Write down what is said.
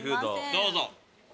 ・どうぞ。